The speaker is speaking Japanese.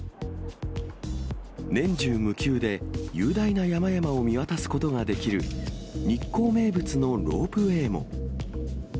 年中無休で、雄大な山々を見渡すことができる日光名物のロープウエーも。